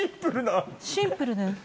シンプルな。